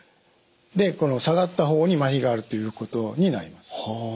で下がった方にまひがあるということになります。